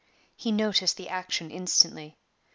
He noticed the action instantly.